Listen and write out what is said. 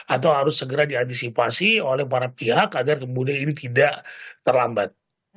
atau harus segera diantisipasi oleh para pihak agar kemudian ini tidak terlambat